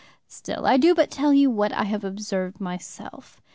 Still I do but tell you what I have observed myself.